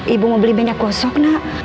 ibu mau beli minyak gosok nak